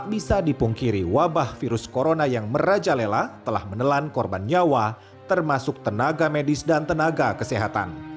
bisa dipungkiri wabah virus corona yang merajalela telah menelan korban nyawa termasuk tenaga medis dan tenaga kesehatan